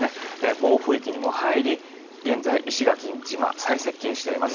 暴風域にも入り現在、石垣島に最接近しています。